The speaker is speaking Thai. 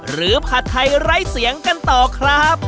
หรือผัดไทยไล่เสียงกันต่อครับ